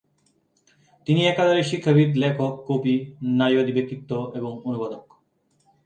তিনি একাধারে শিক্ষাবিদ, লেখক, কবি, নারীবাদী ব্যক্তিত্ব এবং অনুবাদক।